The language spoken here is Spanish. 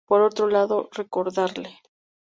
Por otro lado recordarle